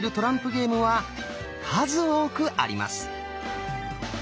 ゲームは数多くあります。